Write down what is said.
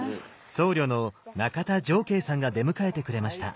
僧侶の中田定慧さんが出迎えてくれました。